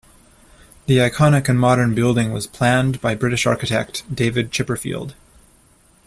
The iconic and modern building was planned by British architect David Chipperfield.